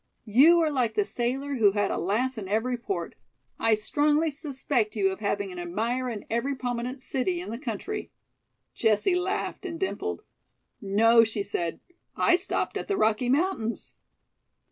You are like the sailor who had a lass in every port. I strongly suspect you of having an admirer in every prominent city in the country." Jessie laughed and dimpled. "No," she said; "I stopped at the Rocky Mountains."